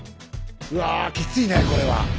うわきついねこれは。